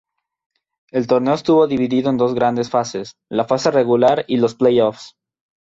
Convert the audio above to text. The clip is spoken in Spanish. El torneo estuvo dividido en dos grandes fases; la fase regular y los play-offs.